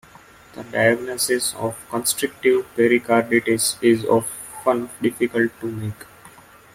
The diagnosis of constrictive pericarditis is often difficult to make.